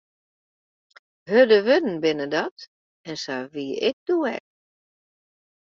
Hurde wurden binne dat, en sa wie ik doe ek.